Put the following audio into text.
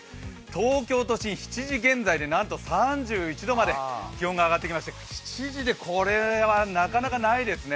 東京都心７時現在でなんと３１度まで気温が上がってきまして７時でこれはなかなかないですね。